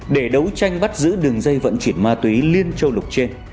để đấu tranh bắt giữ đường dây vận chuyển ma túy liên châu lục trên